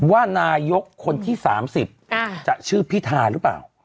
ว่านายกคนที่๓๐จะชื่อพิธาหรือเปล่า